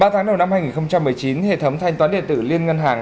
ba tháng đầu năm hai nghìn một mươi chín hệ thống thanh toán điện tử liên ngân hàng